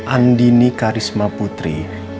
andi ini karisma putri